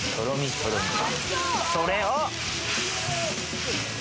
それを。